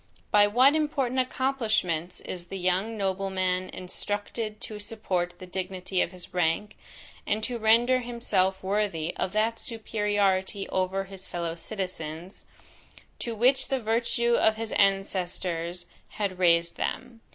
By what important accomplishments is the young nobleman instructed to support the dignity of his rank, and to render himself worthy of that superiority over his fellow citizens, to which the virtue of his ancestors had raised them?